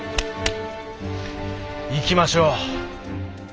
行きましょう。